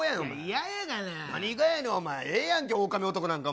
何がやねん、お前、ええやんけ、狼男なんて。